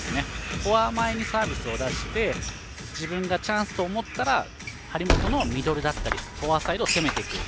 フォア前にサービスを出して自分がチャンスと思ったら張本のミドルだったりフォアサイドを攻めていく。